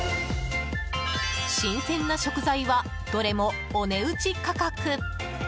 新鮮な食材はどれもお値打ち価格。